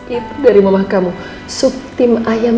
itu dari mama kamu sup tim ayam